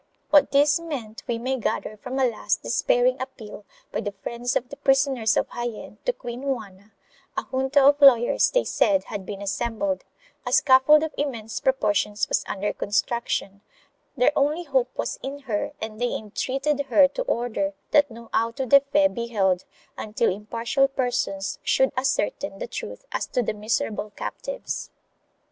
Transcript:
What this meant we may gather from a last despairing appeal, by the friends of the prisoners of Jaen, to Queen Juana; a junta of lawyers, they said, had been assembled, a scaffold of immense proportions was under construction; their only hope was in her and they entreated her to order that no auto de fe be held until impartial persons should ascertain the truth as to the miserable captives.